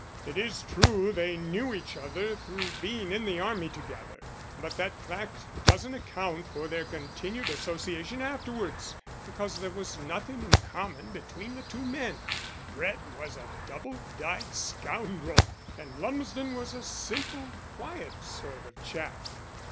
It is true they knew each other through being in the army together, but that fact doesn't account for their continued association afterwards, because there was nothing in common between the two men: Brett was a double dyed scoundrel, and Lumsden was a simple, quiet sort of chap.